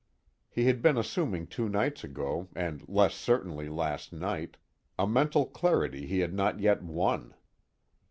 _ He had been assuming two nights ago, and less certainly last night, a mental clarity he had not yet won.